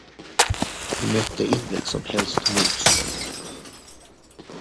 Vi mötte inget som helst motstånd.